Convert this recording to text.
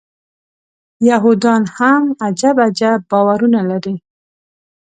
یهودان هم عجب عجب باورونه لري.